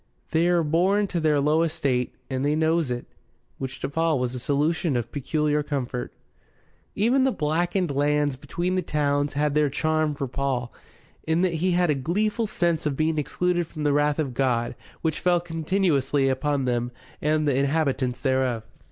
They're born to their low estate, and they knows it." Which to Paul was a solution of peculiar comfort. Even the blackened lands between the towns had their charm for Paul, in that he had a gleeful sense of being excluded from the wrath of God, which fell continuously upon them and the inhabitants thereof.